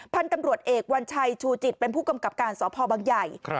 พันธุ์ตำรวจเอกวัญชัยชูจิตเป็นผู้กำกับการสพบังใหญ่